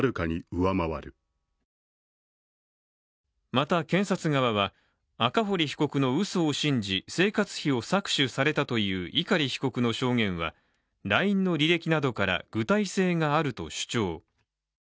また検察側は、赤堀被告のうそを信じ生活費を搾取されたという碇被告の証言は、ＬＩＮＥの履歴などから具体性があると主張。